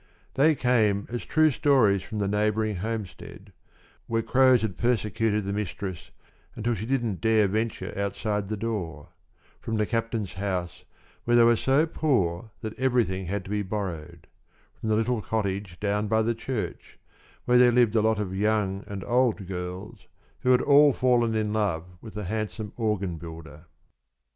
They came as true stories from the neighboring homestead, where crows had persecuted the mistress until she didn't dare venture outside the door; from the Captain's house, where they were so poor that everything had to be borrowed; from the little cottage down by the church, where there lived a lot of young and old girls who had all fallen in love with the handsome organ builder.